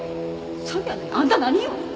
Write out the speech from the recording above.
それやのにあんた何よ？